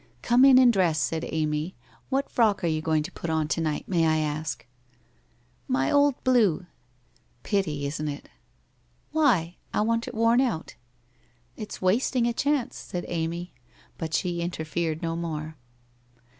1 Come in and dress,' said Amy. ' What frock are you going to put on to night, may I ask ?'' My old blue !'< Pity, isn't it ?'' Why? I want it worn out! '* It's wasting a chance,' said Amy, but she interfered no more.